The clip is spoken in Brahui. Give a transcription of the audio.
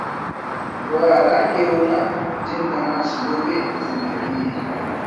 و ہراکہ اونا جند انا اسلوبِ زندگی ءِ